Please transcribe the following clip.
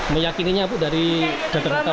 meyakininya dari data data bagaimana